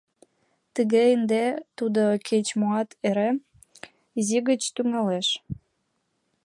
— Тыге ынде тудо, кеч-моат эре изи гыч тӱҥалеш!